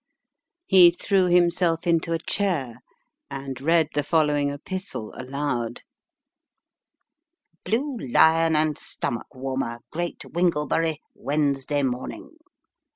He threw himself into a chair, and read the following epistle aloud : "Bine Lion and Stomach warmer, Great AYinglebury. Wednesday Morning.